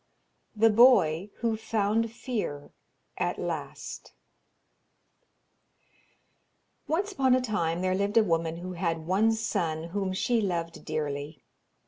THE BOY WHO FOUND FEAR AT LAST Once upon a time there lived a woman who had one son whom she loved dearly.